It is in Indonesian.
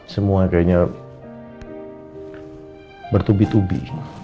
semua kayaknya bertubi tubi